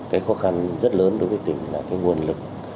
cái khó khăn rất lớn đối với tỉnh là cái nguồn lực